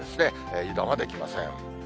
油断はできません。